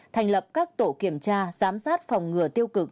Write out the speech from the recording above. thành lập các tổ kiểm tra giám sát phòng ngừa tiêu cực